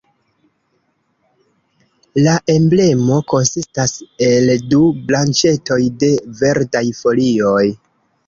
La emblemo konsistas el du branĉetoj de verdaj folioj.